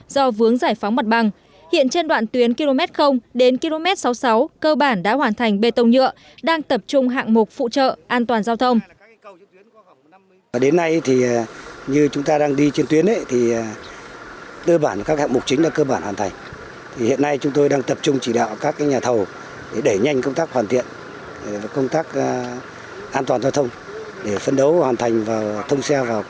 do vướng giải phóng mặt bằng hiện trên đoạn tuyến km đến km sáu mươi sáu cơ bản đã hoàn thành bê tông nhựa đang tập trung hạng mục phụ trợ an toàn giao thông